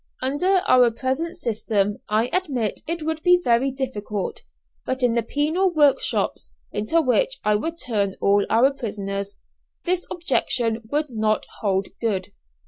Under our present system I admit it would be very difficult, but in the penal workshops, into which I would turn all our prisoners, this objection would not hold good.